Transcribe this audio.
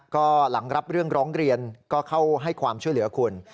ก็หลังรับเรื่องร้องเรียนก็เข้าให้ความช่วยเหลือคุณ